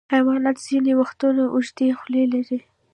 حیوانات ځینې وختونه اوږدې خولۍ لري.